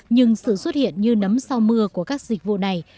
nhưng sự xuất hiện như nấm sau mưa của các dịch vụ này